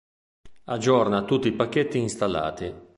Aggiorna tutti i pacchetti installati.